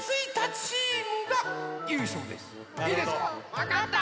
わかった！